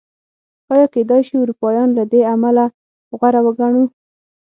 ایا کېدای شي اروپایان له دې امله غوره وګڼو؟